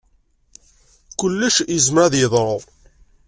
Kullec yezmer ad yeḍru.